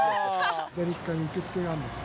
左側に受付があるんですよ。